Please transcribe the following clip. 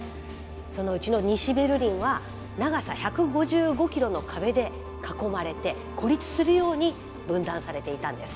そのうちの西ベルリンは長さ１５５キロの壁で囲まれて孤立するように分断されていたんです。